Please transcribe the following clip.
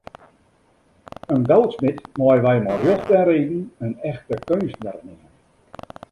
In goudsmid meie wy mei rjocht en reden in echte keunstner neame.